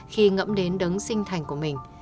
khi ngậm đến đấng sinh thành của mình